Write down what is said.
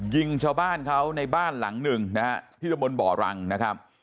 ยิงชาวบ้านเขาในบ้านหลังหนึ่งนะฮะที่ตะบนบ่อรังนะครับ